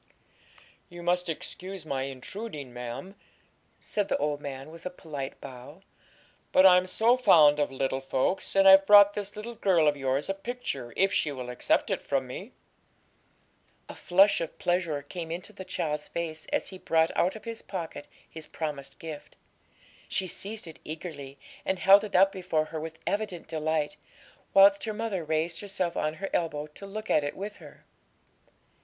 'You must excuse my intruding, ma'am,' said the old man, with a polite bow; 'but I'm so fond of little folks, and I've brought this little girl of yours a picture, if she will accept it from me.' A flush of pleasure came into the child's face as he brought out of his pocket his promised gift. She seized it eagerly, and held it up before her with evident delight, whilst her mother raised herself on her elbow to look at it with her.